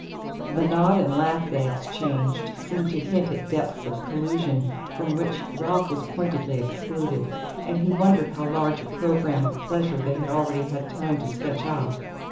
The nod and laugh they exchanged seemed to hint at depths of collusion from which Ralph was pointedly excluded; and he wondered how large a programme of pleasure they had already had time to sketch out.